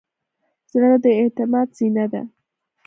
زړه د اعتماد زینه ده.